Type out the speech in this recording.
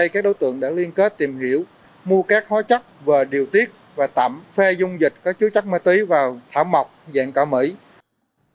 các đối tượng đã liên kết với các đối tượng ngoài tỉnh thông qua mạng xã hội xã hội nứt bóng dưới dạng thực phẩm máy tí chê ly nứt bóng dưới dạng thực phẩm máy tí chê ly nứt nho